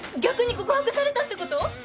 逆に告白されたってこと？